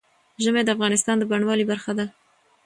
ژمی د افغانستان د بڼوالۍ برخه ده.